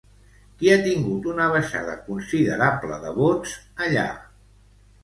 Qui ha tingut una baixada considerable de vots allà?